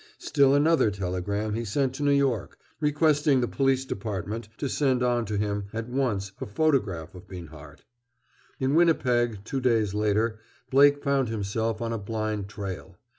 Still another telegram he sent to New York, requesting the Police Department to send on to him at once a photograph of Binhart. In Winnipeg, two days later, Blake found himself on a blind trail.